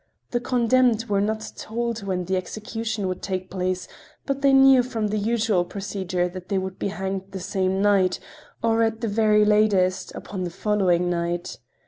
The condemned were not told when the execution would take place, but they knew from the usual procedure that they would be hanged the same night, or, at the very latest, upon the following night.